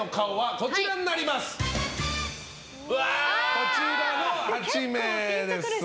こちらの８名です。